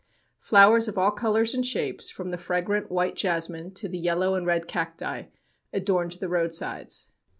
Flowers of all colors and shapes, from the fragrant white jasmine to the yellow and red cacti, adorned the roadsides.